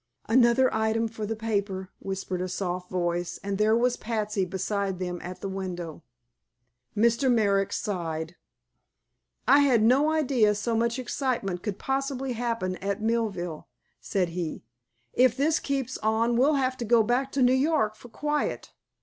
"Another item for the paper," whispered a soft voice, and there was Patsy beside them at the window. Mr. Merrick sighed. "I had no idea so much excitement could possibly happen at Millville," said he. "If this keeps on we'll have to go back to New York for quiet.